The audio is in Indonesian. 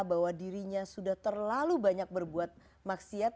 bahwa dirinya sudah terlalu banyak berbuat maksiat